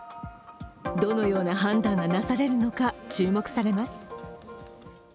どのような判断がなされるのか注目されます。